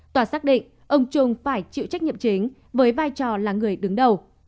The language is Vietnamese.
tòa xác định ông trung phải chịu trách nhiệm chính với vai trò là người đứng đầu